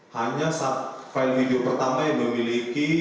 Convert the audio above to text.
hanya file video pertama yang memiliki